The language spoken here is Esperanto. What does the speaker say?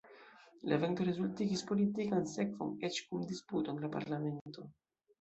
La evento rezultigis politikan sekvon eĉ kun disputo en la Parlamento.